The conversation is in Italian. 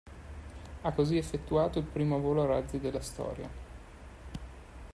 Ha così effettuato il primo volo a razzi della storia.